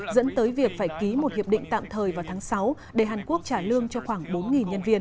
dẫn tới việc phải ký một hiệp định tạm thời vào tháng sáu để hàn quốc trả lương cho khoảng bốn nhân viên